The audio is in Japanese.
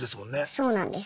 そうなんです。